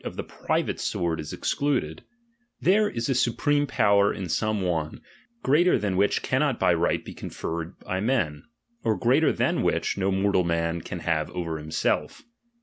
Qf tjjg private sword is excluded ; there is a supreme power in some one, greater than which cannot by right be conferred by men, or greater than which no mortal man can have over himself.